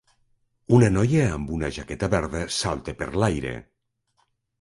Una noia amb una jaqueta verda salta per l'aire.